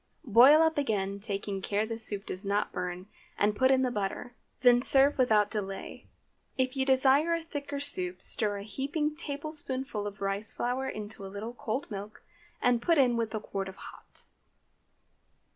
Boil up again, taking care the soup does not burn, and put in the butter. Then serve without delay. If you desire a thicker soup stir a heaping tablespoonful of rice flour into a little cold milk, and put in with the quart of hot.